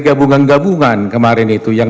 gabungan gabungan kemarin itu yang